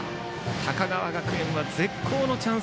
高川学園、絶好のチャンス